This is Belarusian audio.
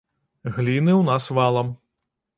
Гліны ў нас валам.